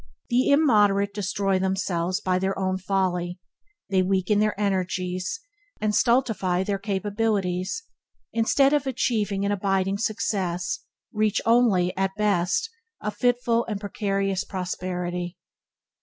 The immoderate destroy themselves by their own folly. They weaken their energies and stultify their capabilities, and instead of achieving an abiding success, reach only, at best, a fitful and precarious prosperity.